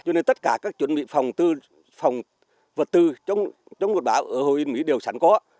cho nên tất cả các chuẩn bị phòng vật tư trong mùa bão ở hồ yên mỹ đều sẵn có